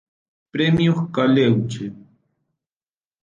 Premios Caleuche